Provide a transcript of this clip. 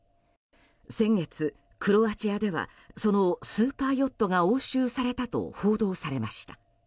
先月、クロアチアではそのスーパーヨットが押収されたと報道されました。